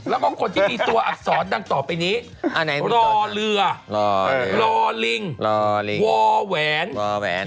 แล้วก็คนที่มีตัวอักษรดังต่อไปนี้อ่าไหนรอเรือรอรอลิงรอลิงวอแหวนวอแหวน